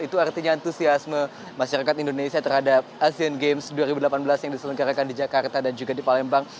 itu artinya antusiasme masyarakat indonesia terhadap asian games dua ribu delapan belas yang diselenggarakan di jakarta dan juga di palembang